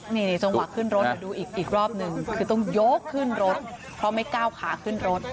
นี่จังหวะขึ้นรถดูอีกรอบหนึ่งคือต้องยกขึ้นรถเพราะไม่ก้าวขาขึ้นรถ